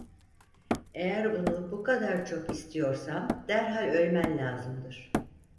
Eğer bunu bu kadar çok istiyorsan derhal ölmen lazımdır.